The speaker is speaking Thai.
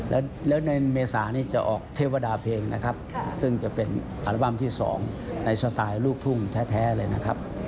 แล้วในเมษานี้จะออกเทวดาเพลงนะครับซึ่งจะเป็นอัลบั้มที่๒ในสไตล์ลูกทุ่งแท้เลยนะครับ